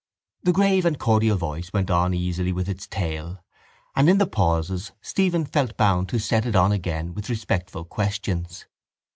The grave and cordial voice went on easily with its tale and in the pauses Stephen felt bound to set it on again with respectful questions.